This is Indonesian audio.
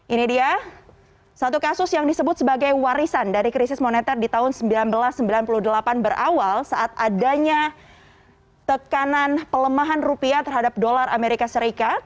ini dia satu kasus yang disebut sebagai warisan dari krisis moneter di tahun seribu sembilan ratus sembilan puluh delapan berawal saat adanya tekanan pelemahan rupiah terhadap dolar amerika serikat